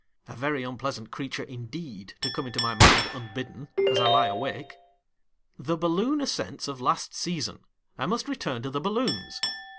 A very un pleasant creature indeed, to come into my mind unbidden, as I lie awake. — The balloon ascents of last season. I must return to the balloons.